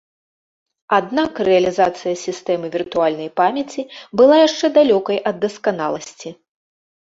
Аднак рэалізацыя сістэмы віртуальнай памяці была яшчэ далёкай ад дасканаласці.